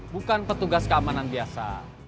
bukan petugas keamanan biasa